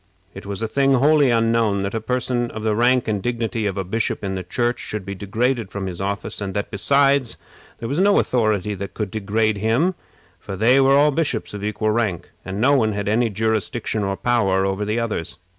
It was a thing wholly unknown that a person of the rank and dignity of a bishop in the Church should be degraded from his office; and that, besides, there was no authority that could degrade him, for they were all bishops of equal rank, and no one had any jurisdiction or power over the others.